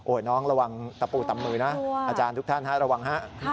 น้องระวังตะปูตำมือนะอาจารย์ทุกท่านฮะระวังฮะ